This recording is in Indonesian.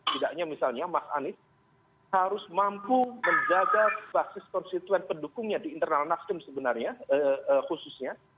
tidaknya misalnya mas anies harus mampu menjaga basis konstituen pendukungnya di internal nasdem sebenarnya khususnya